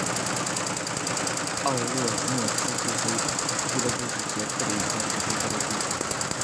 奥洛莫茨足球俱乐部是捷克的一家足球俱乐部。